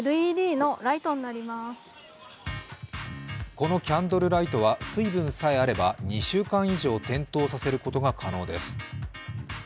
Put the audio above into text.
このキャンドルライトは水分さえあれば２週間以上、点灯させることが可能です。